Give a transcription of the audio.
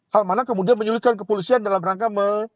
hal mana kemudian menyulitkan kepolisian dalam rangka